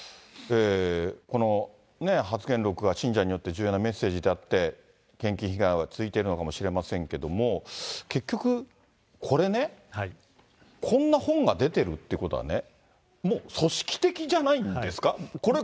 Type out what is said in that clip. この発言録は信者によって重要なメッセージであって、献金被害が続いているのかもしれませんけれども、結局これね、こんな本が出てるってことはね、もう、組織的じゃないんですか？